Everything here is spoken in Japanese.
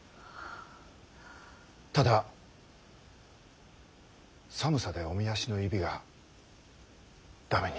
ただ寒さでおみ足の指が駄目に。